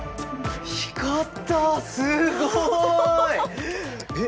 光ったすごい！え？